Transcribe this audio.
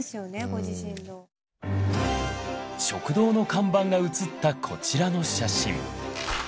食堂の看板が写ったこちらの写真。